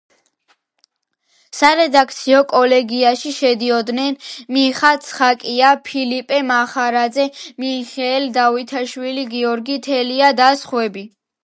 სარედაქციო კოლეგიაში შედიოდნენ მიხა ცხაკაია, ფილიპე მახარაძე, მიხეილ დავითაშვილი, გიორგი თელია და სხვები.